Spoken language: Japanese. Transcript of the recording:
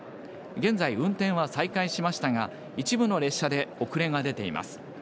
現在、運転を再開しましたが一部の電車で遅れが出ています。